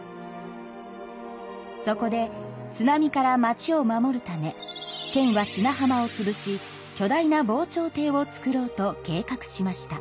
そこで津波から町を守るため県は砂浜をつぶし巨大な防潮堤を造ろうと計画しました。